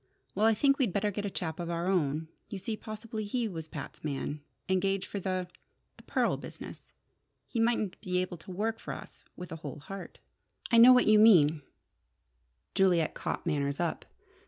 "Well, I think we'd better get a chap of our own. You see, possibly he was Pat's man, engaged for the the pearl business. He mightn't be able to work for us with a whole heart " "I know what you mean," Juliet caught Manners up.